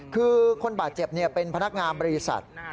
คือคนบาดเจ็บเป็นพนักงานบริษัท